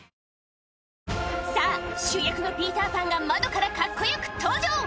さぁ主役のピーター・パンが窓からカッコよく登場！